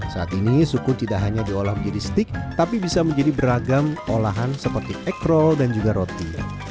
saat ini sukun tidak hanya diolah menjadi stik tapi bisa menjadi beragam olahan seperti ekrol dan juga roti